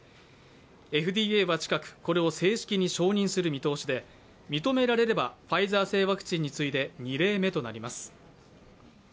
ＦＤＡは近く、これを承認する見通しで認められればファイザー社製ワクチンに次いで２例目となります。